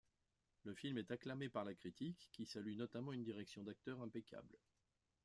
Le film est acclamé par la critique, qui salue notamment une direction d'acteurs impeccable.